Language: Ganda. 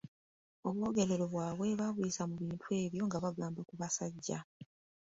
Obwogerero bwabwe baabuyisa mu bintu ebyo nga bagamba ku basajja.